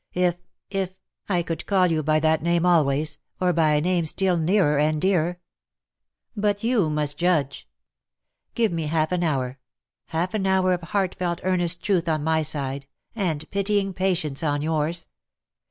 If — if — I could call you by that name always, or by a name still nearer and dearer. But you must judge. Give me half an hour — half an hour of heartfelt earnest truth on my side, and pitying patience on yours.